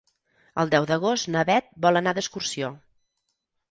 El deu d'agost na Bet vol anar d'excursió.